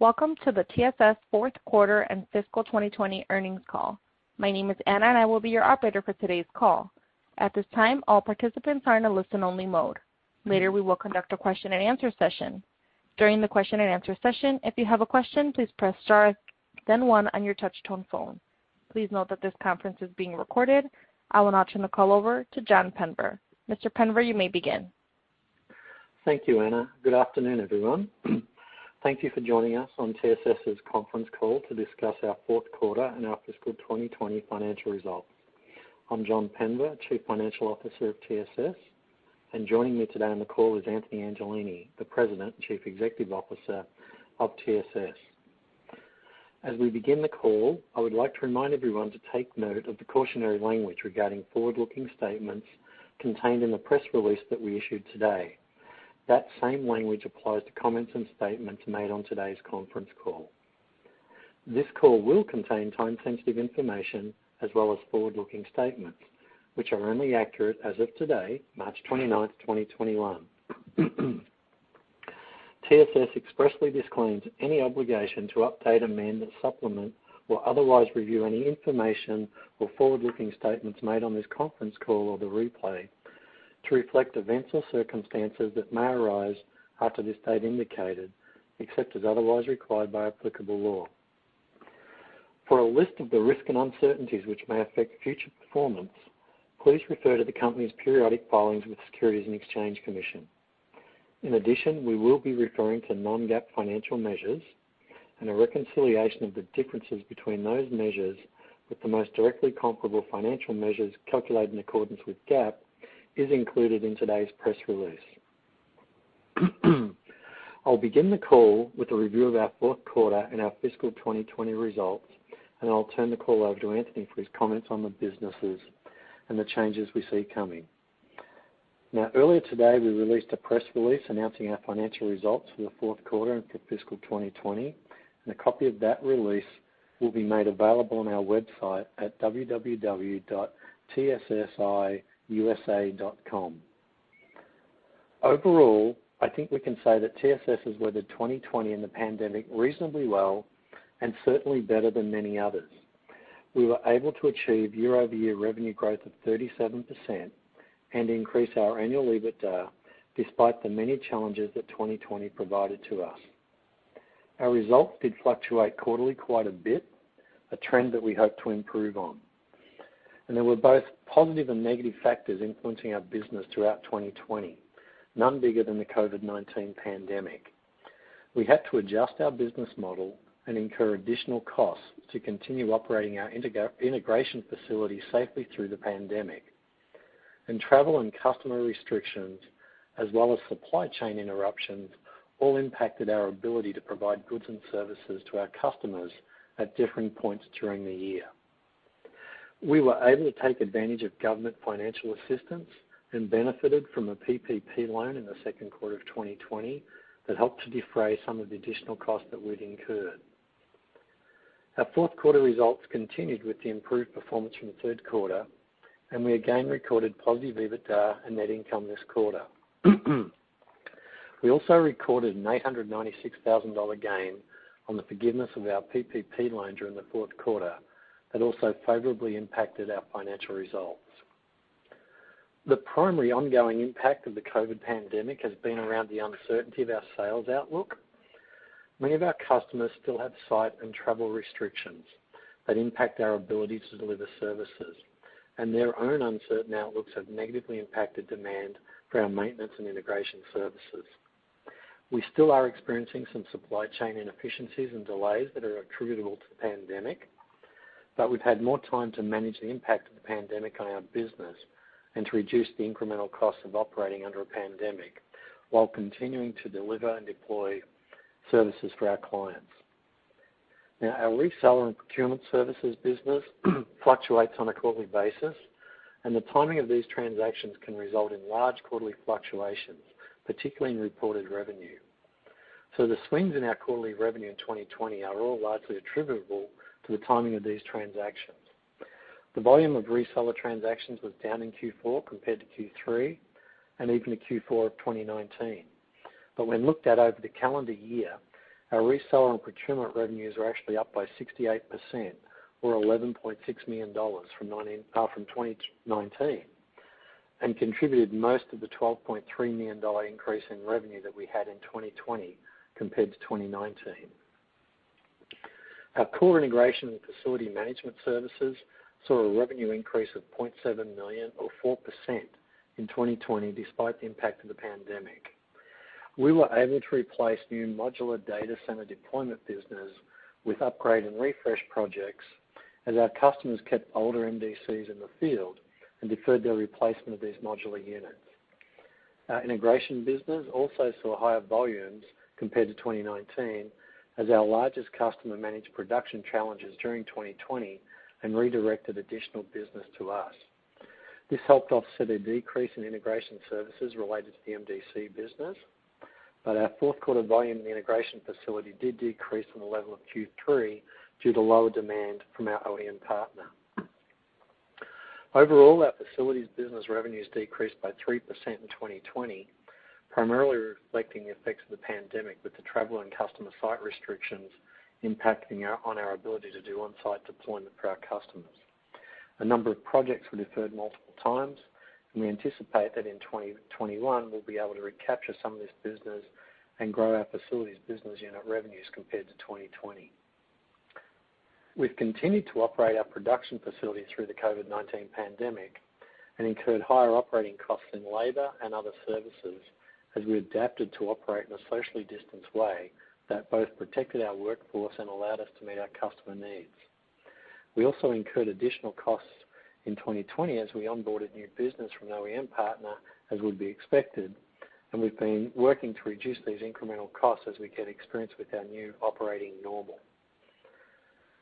Welcome to the TSS Fourth Quarter and Fiscal 2020 Earnings Call. My name is Anna, and I will be your operator for today's call. At this time, all participants are in a listen-only mode. Later, we will conduct a question-and-answer session. During the question-and-answer session, if you have a question, please press star then one on your touch-tone phone. Please note that this conference is being recorded. I will now turn the call over to John Penver. Mr. Penver, you may begin. Thank you, Anna. Good afternoon, everyone. Thank you for joining us on TSS's conference call to discuss our fourth quarter and our fiscal 2020 financial results. I'm John Penver, Chief Financial Officer of TSS, and joining me today on the call is Anthony Angelini, the President and Chief Executive Officer of TSS. As we begin the call, I would like to remind everyone to take note of the cautionary language regarding forward-looking statements contained in the press release that we issued today. That same language applies to comments and statements made on today's conference call. This call will contain time-sensitive information as well as forward-looking statements, which are only accurate as of today, March 29th, 2021. TSS expressly disclaims any obligation to update, amend, supplement, or otherwise review any information or forward-looking statements made on this conference call or the replay to reflect events or circumstances that may arise after this date indicated, except as otherwise required by applicable law. For a list of the risks and uncertainties which may affect future performance, please refer to the company's periodic filings with the Securities and Exchange Commission. In addition, we will be referring to non-GAAP financial measures, and a reconciliation of the differences between those measures with the most directly comparable financial measures calculated in accordance with GAAP is included in today's press release. I'll begin the call with a review of our fourth quarter and our fiscal 2020 results, and I'll turn the call over to Anthony for his comments on the businesses and the changes we see coming. Now, earlier today, we released a press release announcing our financial results for the fourth quarter and for fiscal 2020, and a copy of that release will be made available on our website at www.tssiusa.com. Overall, I think we can say that TSS has weathered 2020 and the pandemic reasonably well and certainly better than many others. We were able to achieve year-over-year revenue growth of 37% and increase our annual EBITDA despite the many challenges that 2020 provided to us. Our results did fluctuate quarterly quite a bit, a trend that we hope to improve on, and there were both positive and negative factors influencing our business throughout 2020, none bigger than the COVID-19 pandemic. We had to adjust our business model and incur additional costs to continue operating our integration facility safely through the pandemic. And travel and customer restrictions, as well as supply chain interruptions, all impacted our ability to provide goods and services to our customers at different points during the year. We were able to take advantage of government financial assistance and benefited from a PPP loan in the second quarter of 2020 that helped to defray some of the additional costs that we'd incurred. Our fourth quarter results continued with the improved performance from the third quarter, and we again recorded positive EBITDA and net income this quarter. We also recorded an $896,000 gain on the forgiveness of our PPP loan during the fourth quarter that also favorably impacted our financial results. The primary ongoing impact of the COVID pandemic has been around the uncertainty of our sales outlook. Many of our customers still have site and travel restrictions that impact our ability to deliver services, and their own uncertain outlooks have negatively impacted demand for our maintenance and integration services. We still are experiencing some supply chain inefficiencies and delays that are attributable to the pandemic, but we've had more time to manage the impact of the pandemic on our business and to reduce the incremental costs of operating under a pandemic while continuing to deliver and deploy services for our clients. Now, our reseller and procurement services business fluctuates on a quarterly basis, and the timing of these transactions can result in large quarterly fluctuations, particularly in reported revenue. So the swings in our quarterly revenue in 2020 are all largely attributable to the timing of these transactions. The volume of reseller transactions was down in Q4 compared to Q3 and even to Q4 of 2019. When looked at over the calendar year, our reseller and procurement revenues were actually up by 68%, or $11.6 million from 2019, and contributed most of the $12.3 million increase in revenue that we had in 2020 compared to 2019. Our core integration and facility management services saw a revenue increase of $0.7 million, or 4%, in 2020 despite the impact of the pandemic. We were able to replace new modular data center deployment business with upgrade and refresh projects as our customers kept older MDCs in the field and deferred their replacement of these modular units. Our integration business also saw higher volumes compared to 2019 as our largest customer managed production challenges during 2020 and redirected additional business to us. This helped offset a decrease in integration services related to the MDC business, but our fourth quarter volume and integration facilities did decrease on the level of Q3 due to lower demand from our OEM partner. Overall, our facilities business revenues decreased by 3% in 2020, primarily reflecting the effects of the pandemic with the travel and customer site restrictions impacting on our ability to do on-site deployment for our customers. A number of projects were deferred multiple times, and we anticipate that in 2021 we'll be able to recapture some of this business and grow our facilities business unit revenues compared to 2020. We've continued to operate our production facility through the COVID-19 pandemic and incurred higher operating costs in labor and other services as we adapted to operate in a socially distanced way that both protected our workforce and allowed us to meet our customer needs. We also incurred additional costs in 2020 as we onboarded new business from an OEM partner, as would be expected, and we've been working to reduce these incremental costs as we get experience with our new operating normal.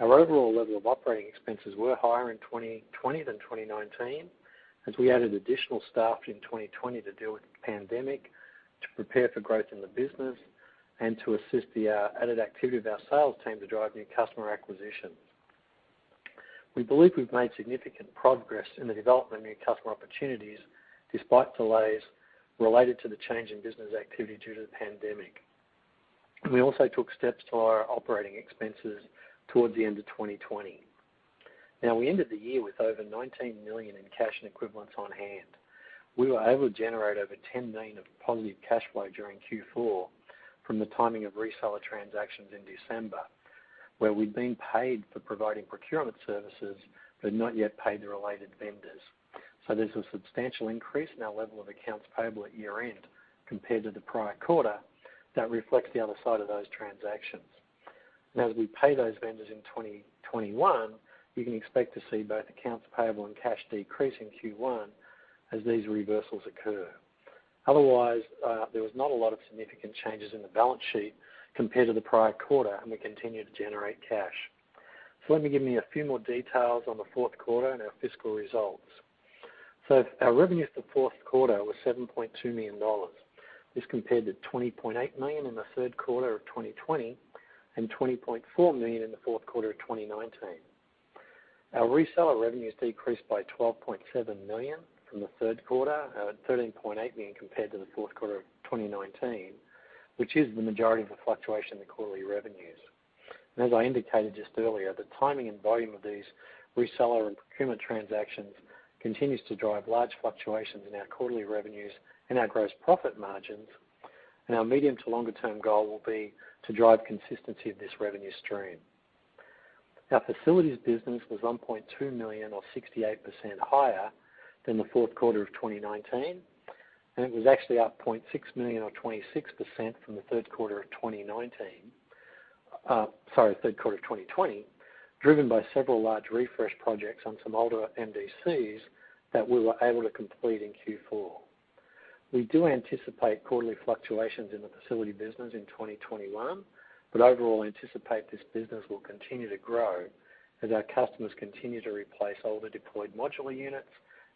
Our overall level of operating expenses were higher in 2020 than 2019 as we added additional staff in 2020 to deal with the pandemic, to prepare for growth in the business, and to assist the added activity of our sales team to drive new customer acquisition. We believe we've made significant progress in the development of new customer opportunities despite delays related to the change in business activity due to the pandemic. We also took steps to lower our operating expenses towards the end of 2020. Now, we ended the year with over $19 million in cash and equivalents on hand. We were able to generate over $10 million of positive cash flow during Q4 from the timing of reseller transactions in December, where we'd been paid for providing procurement services but had not yet paid the related vendors. So there's a substantial increase in our level of accounts payable at year-end compared to the prior quarter that reflects the other side of those transactions. And as we pay those vendors in 2021, you can expect to see both accounts payable and cash decrease in Q1 as these reversals occur. Otherwise, there was not a lot of significant changes in the balance sheet compared to the prior quarter, and we continued to generate cash. So let me give you a few more details on the fourth quarter and our fiscal results. So our revenues for the fourth quarter were $7.2 million. This compared to $20.8 million in the third quarter of 2020 and $20.4 million in the fourth quarter of 2019. Our reseller revenues decreased by $12.7 million from the third quarter, $13.8 million compared to the fourth quarter of 2019, which is the majority of the fluctuation in the quarterly revenues. And as I indicated just earlier, the timing and volume of these reseller and procurement transactions continues to drive large fluctuations in our quarterly revenues and our gross profit margins, and our medium to longer-term goal will be to drive consistency of this revenue stream. Our facilities business was $1.2 million, or 68%, higher than the fourth quarter of 2019, and it was actually up $0.6 million, or 26%, from the third quarter of 2019, sorry, third quarter of 2020, driven by several large refresh projects on some older MDCs that we were able to complete in Q4. We do anticipate quarterly fluctuations in the facility business in 2021, but overall anticipate this business will continue to grow as our customers continue to replace older deployed modular units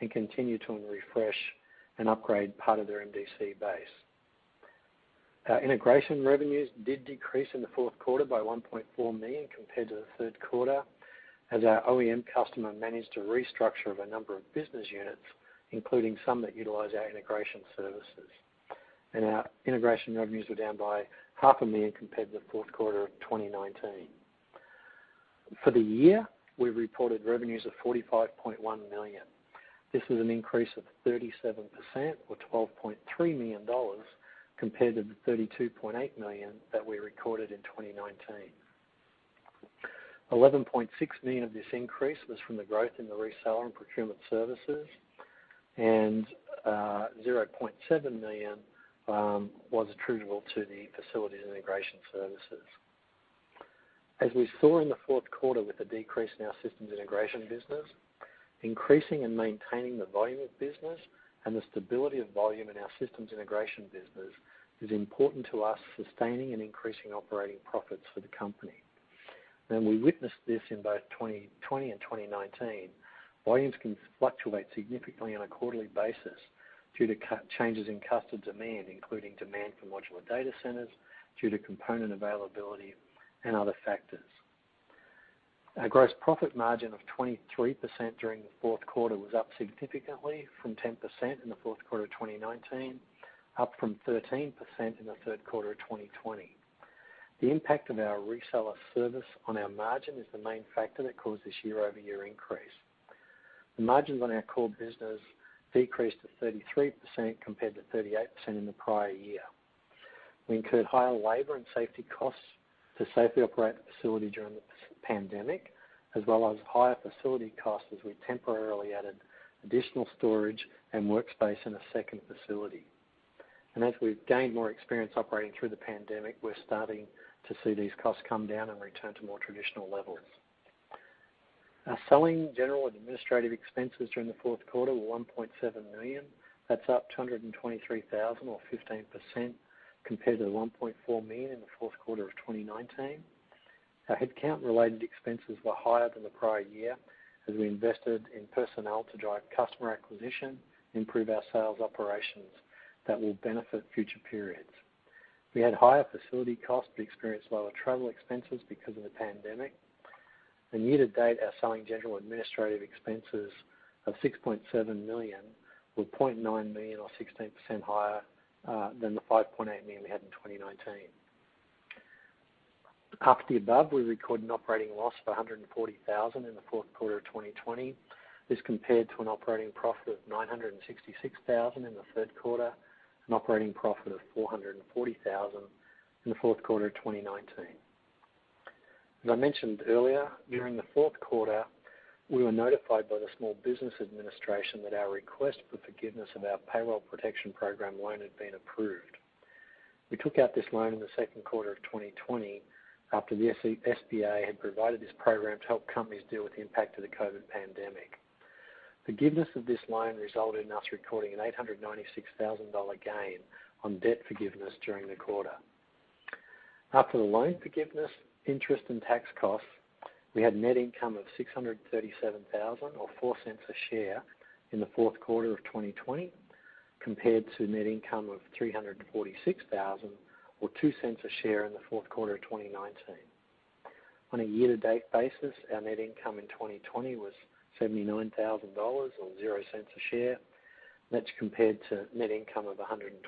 and continue to refresh and upgrade part of their MDC base. Our integration revenues did decrease in the fourth quarter by $1.4 million compared to the third quarter as our OEM customer managed a restructure of a number of business units, including some that utilize our integration services, and our integration revenues were down by $500,000 compared to the fourth quarter of 2019. For the year, we reported revenues of $45.1 million. This was an increase of 37%, or $12.3 million, compared to the $32.8 million that we recorded in 2019. $11.6 million of this increase was from the growth in the reseller and procurement services, and $0.7 million was attributable to the facilities integration services. As we saw in the fourth quarter with the decrease in our systems integration business, increasing and maintaining the volume of business and the stability of volume in our systems integration business is important to us, sustaining and increasing operating profits for the company, and we witnessed this in both 2020 and 2019. Volumes can fluctuate significantly on a quarterly basis due to changes in customer demand, including demand for modular data centers due to component availability and other factors. Our gross profit margin of 23% during the fourth quarter was up significantly from 10% in the fourth quarter of 2019, up from 13% in the third quarter of 2020. The impact of our reseller service on our margin is the main factor that caused this year-over-year increase. The margins on our core business decreased to 33% compared to 38% in the prior year. We incurred higher labor and safety costs to safely operate the facility during the pandemic, as well as higher facility costs as we temporarily added additional storage and workspace in a second facility, and as we've gained more experience operating through the pandemic, we're starting to see these costs come down and return to more traditional levels. Our selling general administrative expenses during the fourth quarter were $1.7 million. That's up $223,000, or 15%, compared to the $1.4 million in the fourth quarter of 2019. Our headcount-related expenses were higher than the prior year as we invested in personnel to drive customer acquisition and improve our sales operations that will benefit future periods. We had higher facility costs but experienced lower travel expenses because of the pandemic. And year-to-date, our selling general administrative expenses of $6.7 million were $0.9 million, or 16%, higher than the $5.8 million we had in 2019. After the above, we recorded an operating loss of $140,000 in the fourth quarter of 2020. This compared to an operating profit of $966,000 in the third quarter and an operating profit of $440,000 in the fourth quarter of 2019. As I mentioned earlier, during the fourth quarter, we were notified by the Small Business Administration that our request for forgiveness of our Paycheck Protection Program loan had been approved. We took out this loan in the second quarter of 2020 after the SBA had provided this program to help companies deal with the impact of the COVID pandemic. Forgiveness of this loan resulted in us recording an $896,000 gain on debt forgiveness during the quarter. After the loan forgiveness, interest, and tax costs, we had net income of $637,000, or 4 cents a share in the fourth quarter of 2020, compared to net income of $346,000, or two cents a share in the fourth quarter of 2019. On a year-to-date basis, our net income in 2020 was $79,000, or 0 cents a share. That's compared to net income of $126,000,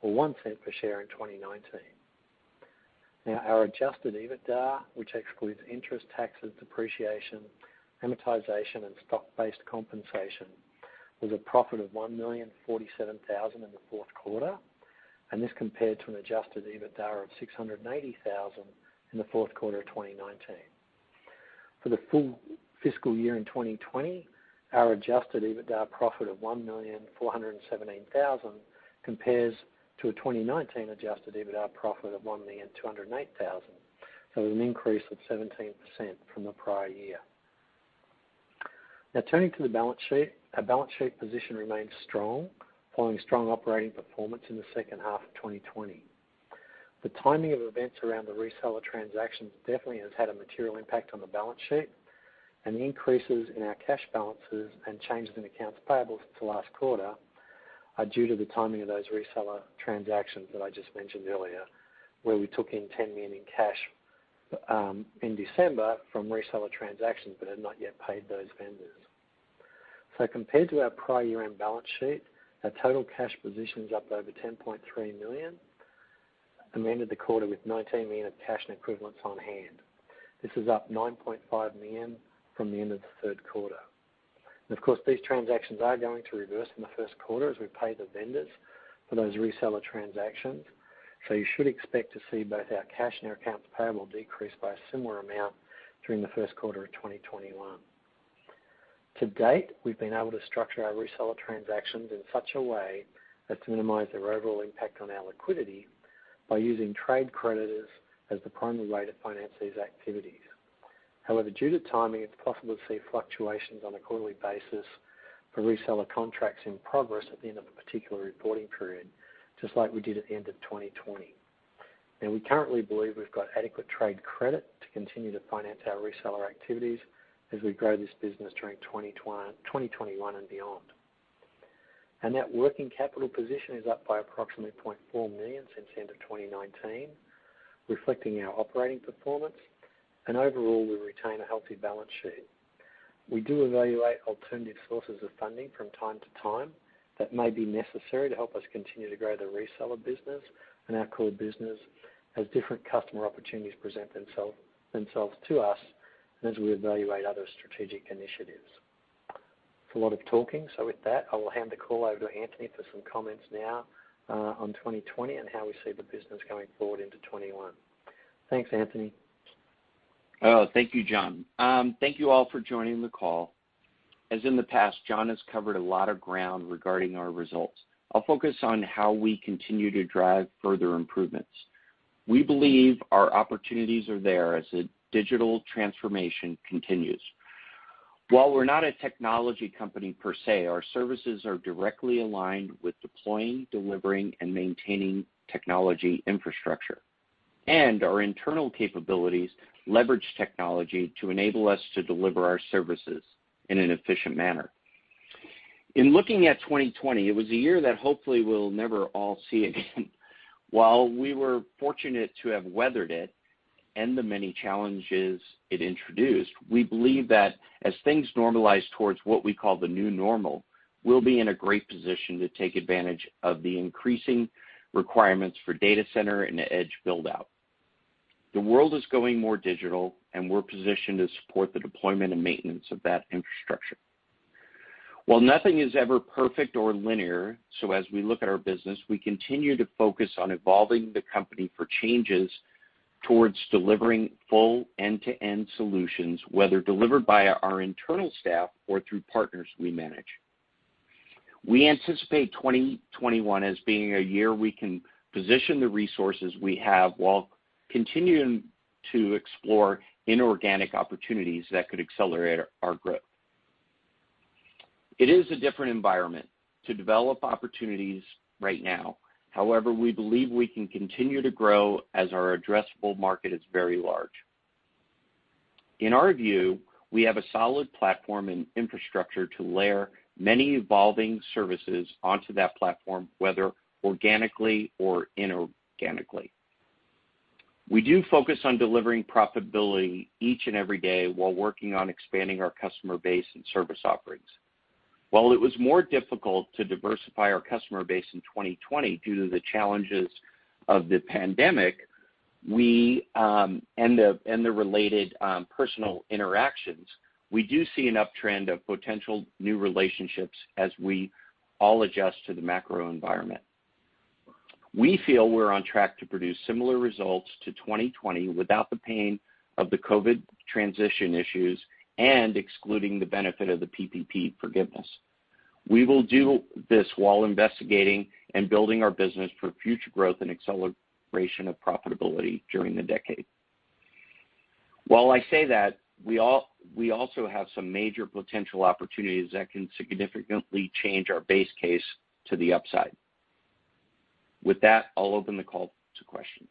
or 1 cent per share in 2019. Now, our Adjusted EBITDA, which excludes interest, taxes, depreciation, amortization, and stock-based compensation, was a profit of $1,047,000 in the fourth quarter, and this compared to an Adjusted EBITDA of $680,000 in the fourth quarter of 2019. For the full fiscal year in 2020, our Adjusted EBITDA profit of $1,417,000 compares to a 2019 Adjusted EBITDA profit of $1,208,000, so there's an increase of 17% from the prior year. Now, turning to the balance sheet, our balance sheet position remains strong, following strong operating performance in the second half of 2020. The timing of events around the reseller transactions definitely has had a material impact on the balance sheet, and the increases in our cash balances and changes in accounts payable since the last quarter are due to the timing of those reseller transactions that I just mentioned earlier, where we took in $10 million in cash in December from reseller transactions but had not yet paid those vendors. So compared to our prior year-end balance sheet, our total cash position is up over $10.3 million at the end of the quarter, with $19 million of cash and equivalents on hand. This is up $9.5 million from the end of the third quarter. And of course, these transactions are going to reverse in the first quarter as we pay the vendors for those reseller transactions. So you should expect to see both our cash and our accounts payable decrease by a similar amount during the first quarter of 2021. To date, we've been able to structure our reseller transactions in such a way as to minimize their overall impact on our liquidity by using trade creditors as the primary way to finance these activities. However, due to timing, it's possible to see fluctuations on a quarterly basis for reseller contracts in progress at the end of a particular reporting period, just like we did at the end of 2020. Now, we currently believe we've got adequate trade credit to continue to finance our reseller activities as we grow this business during 2021 and beyond. Our net working capital position is up by approximately $0.4 million since the end of 2019, reflecting our operating performance, and overall, we retain a healthy balance sheet. We do evaluate alternative sources of funding from time to time that may be necessary to help us continue to grow the reseller business and our core business as different customer opportunities present themselves to us and as we evaluate other strategic initiatives. It's a lot of talking, so with that, I will hand the call over to Anthony for some comments now on 2020 and how we see the business going forward into 2021. Thanks, Anthony. Oh, thank you, John. Thank you all for joining the call. As in the past, John has covered a lot of ground regarding our results. I'll focus on how we continue to drive further improvements. We believe our opportunities are there as the digital transformation continues. While we're not a technology company per se, our services are directly aligned with deploying, delivering, and maintaining technology infrastructure, and our internal capabilities leverage technology to enable us to deliver our services in an efficient manner. In looking at 2020, it was a year that hopefully we'll never all see again. While we were fortunate to have weathered it and the many challenges it introduced, we believe that as things normalize towards what we call the new normal, we'll be in a great position to take advantage of the increasing requirements for data center and edge build-out. The world is going more digital, and we're positioned to support the deployment and maintenance of that infrastructure. While nothing is ever perfect or linear, so as we look at our business, we continue to focus on evolving the company for changes towards delivering full end-to-end solutions, whether delivered by our internal staff or through partners we manage. We anticipate 2021 as being a year we can position the resources we have while continuing to explore inorganic opportunities that could accelerate our growth. It is a different environment to develop opportunities right now. However, we believe we can continue to grow as our addressable market is very large. In our view, we have a solid platform and infrastructure to layer many evolving services onto that platform, whether organically or inorganically. We do focus on delivering profitability each and every day while working on expanding our customer base and service offerings. While it was more difficult to diversify our customer base in 2020 due to the challenges of the pandemic and the related personal interactions, we do see an uptrend of potential new relationships as we all adjust to the macro environment. We feel we're on track to produce similar results to 2020 without the pain of the COVID transition issues and excluding the benefit of the PPP forgiveness. We will do this while investigating and building our business for future growth and acceleration of profitability during the decade. While I say that, we also have some major potential opportunities that can significantly change our base case to the upside. With that, I'll open the call to questions.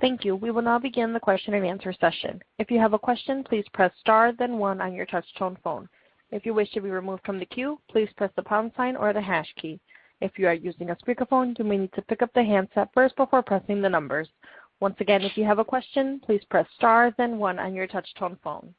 Thank you. We will now begin the question and answer session. If you have a question, please press star, then one on your touch-tone phone. If you wish to be removed from the queue, please press the pound sign or the hash key. If you are using a speakerphone, you may need to pick up the handset first before pressing the numbers. Once again, if you have a question, please press star, then one on your touch-tone phone.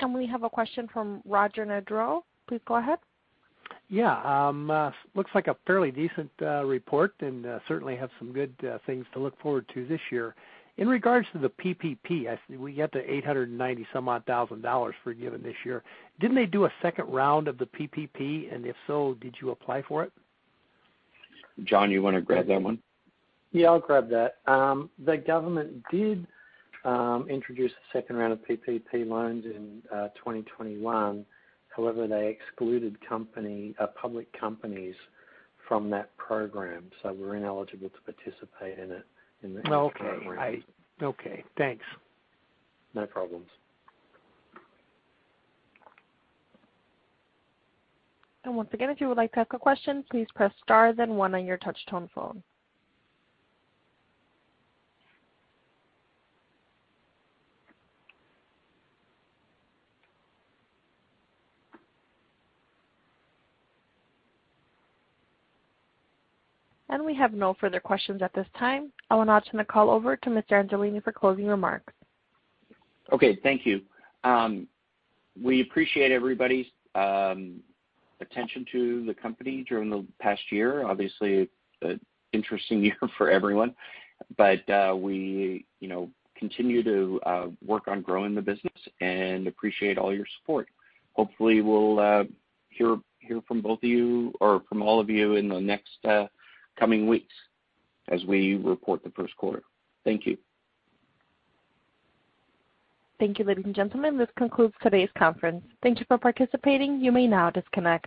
And we have a question from Roger Nedrol. Please go ahead. Yeah. Looks like a fairly decent report and certainly have some good things to look forward to this year. In regards to the PPP, we got $890-some-odd thousand forgiven this year. Didn't they do a second round of the PPP? And if so, did you apply for it? John, you want to grab that one? Yeah, I'll grab that. The government did introduce a second round of PPP loans in 2021. However, they excluded public companies from that program, so we're ineligible to participate in it in the current. Okay. Okay. Thanks. No problems. Once again, if you would like to ask a question, please press star, then one on your touch-tone phone. We have no further questions at this time. I will now turn the call over to Mr. Angelini for closing remarks. Okay. Thank you. We appreciate everybody's attention to the company during the past year. Obviously, an interesting year for everyone. But we continue to work on growing the business and appreciate all your support. Hopefully, we'll hear from both of you or from all of you in the next coming weeks as we report the first quarter. Thank you. Thank you, ladies and gentlemen. This concludes today's conference. Thank you for participating. You may now disconnect.